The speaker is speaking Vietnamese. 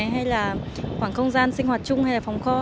hay là khoảng không gian sinh hoạt chung hay là phòng kho